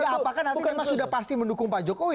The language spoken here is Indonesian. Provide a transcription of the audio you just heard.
apakah nanti memang sudah pasti mendukung pak jokowi